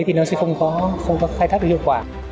thì nó sẽ không có khai thác được hiệu quả